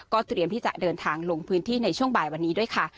เตรียมที่จะเดินทางลงพื้นที่ในช่วงบ่ายวันนี้ด้วยค่ะ